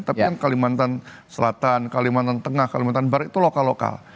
tapi kan kalimantan selatan kalimantan tengah kalimantan barat itu lokal lokal